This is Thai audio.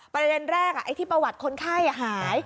ประเด็นแรกไอ้ที่ประวัติคนไข้หาย